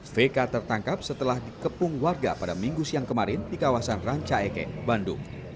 vk tertangkap setelah dikepung warga pada minggu siang kemarin di kawasan ranca eke bandung